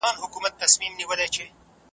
میاشت لا نه وه تېره سوې ډزهار سو .